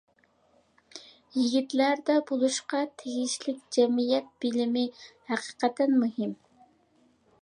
يىگىتلەردە بولۇشقا تېگىشلىك جەمئىيەت بىلىمى ھەقىقەتەن مۇھىم!